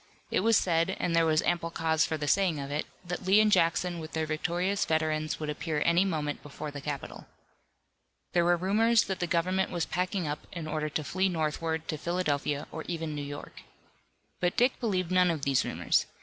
It was said, and there was ample cause for the saying of it, that Lee and Jackson with their victorious veterans would appear any moment before the capital. There were rumors that the government was packing up in order to flee northward to Philadelphia or even New York. But Dick believed none of these rumors.